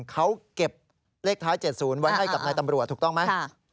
เขาเก็บเลขท้าย๗๐ไว้ให้กับนายตำรวจถูกต้องไหม